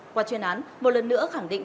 qua chuyên án một lần nữa khẳng định